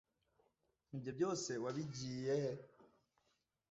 ibyo byose wabigiye he